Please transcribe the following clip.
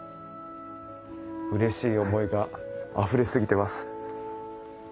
うれしい思いがあふれ過ぎてます。